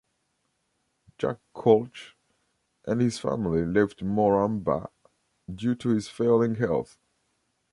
Jack Koch and his family left Moranbah due to his failing health.